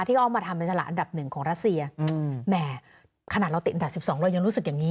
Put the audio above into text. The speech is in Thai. ที่เอามาทำเป็นสัลลัดอันดับ๑ของรัสเซียแหมขนาดเราติดอันดับ๑๒เลยยังรู้สึกอย่างนี้